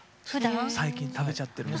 最近食べちゃってるんです。